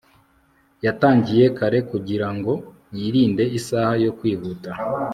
yatangiye kare kugirango yirinde isaha yo kwihuta